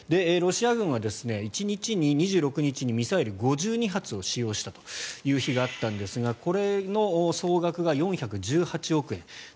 ロシア軍は１日に２６日にミサイル５２発を使用したという日があったんですがこれの総額が４１８億円。